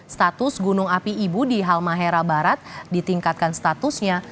status gunung api ibu di halmahera barat ditingkatkan statusnya